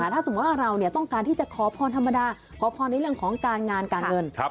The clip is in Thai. ถ้าสมมุติว่าเราต้องการที่จะขอพรธรรมดาขอพรในเรื่องของการงานการเงิน